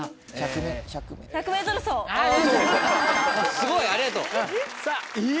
すごいありがとう。え！